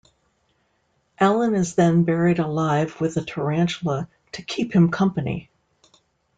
Alan is then buried alive with a tarantula to "keep him company".